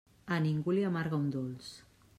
A ningú li amarga un dolç.